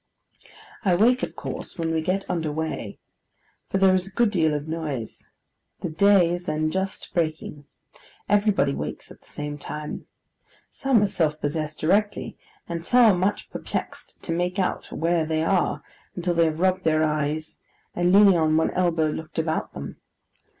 I wake, of course, when we get under weigh, for there is a good deal of noise. The day is then just breaking. Everybody wakes at the same time. Some are self possessed directly, and some are much perplexed to make out where they are until they have rubbed their eyes, and leaning on one elbow, looked about them.